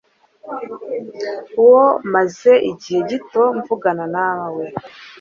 wo maze igihe gito mvugana nawe